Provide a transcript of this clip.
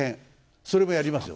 それもやりますよ。